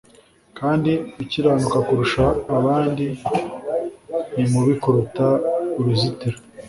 kandi ukiranuka kurusha abandi ni mubi kuruta uruzitiro